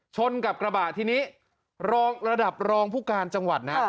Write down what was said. ชนกับกระบะทีนี้รองระดับรองผู้การจังหวัดนะ